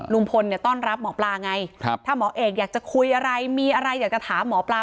ลุงพลเนี่ยต้อนรับหมอปลาไงถ้าหมอเอกอยากจะคุยอะไรมีอะไรอยากจะถามหมอปลา